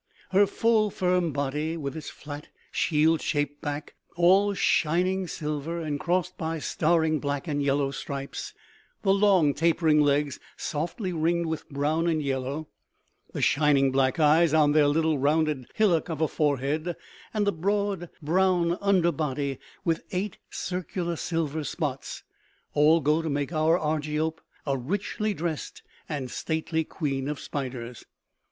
Her full, firm body with its flat, shield shaped back, all shining silver and crossed by staring black and yellow stripes, the long tapering legs softly ringed with brown and yellow, the shining black eyes on their little rounded hillock of a forehead, and the broad, brown under body with eight circular silver spots; all go to make our Argiope a richly dressed and stately queen of spiders.